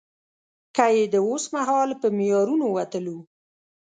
که يې د اوسمهال په معیارونو وتلو.